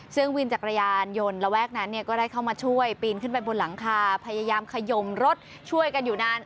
ซึ่งวินจักรยานยนต์ระแวกนั้นก็ได้เข้ามาช่วยปีนขึ้นไปบนหลังคาพยายามขยมรถช่วยกันอยู่นาน